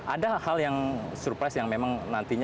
ada hal yang surprise yang memang nantinya